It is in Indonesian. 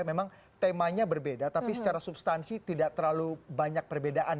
memang temanya berbeda tapi secara substansi tidak terlalu banyak perbedaan